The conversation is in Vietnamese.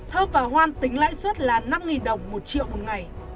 thơm và oan tính lãi suất là năm đồng một triệu một ngày